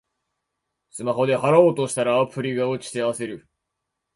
スマホで払おうとしたら、アプリが落ちて焦る